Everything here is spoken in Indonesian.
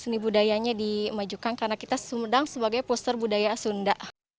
seni budayanya dimajukan karena kita sumedang sebagai poster budaya sunda